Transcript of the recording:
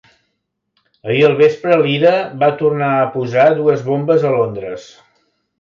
Ahir al vespre l'Ira va tornar a posar dues bombes a Londres.